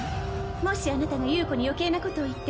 もしあなたが優子に余計なことを言って